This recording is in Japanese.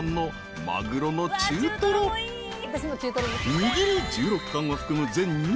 ［にぎり１６貫を含む全２７品］